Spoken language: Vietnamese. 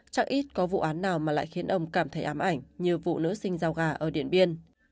chắc ít có vụ án nào mà lại khiến ông cảm thấy ám ảnh như vụ nữ sinh giao gà ở điện biên